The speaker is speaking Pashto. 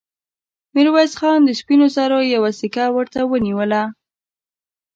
ميرويس خان د سپينو زرو يوه سيکه ورته ونيوله.